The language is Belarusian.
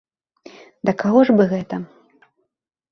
Да каго ж бы гэта?